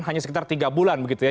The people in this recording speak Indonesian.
hanya sekitar tiga bulan begitu ya